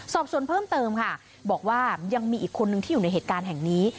สอบส่วนเพิ่มเติมค่ะบอกว่ายังมีอีกคนนึงที่อยู่ในเหตุการณ์แห่งนี้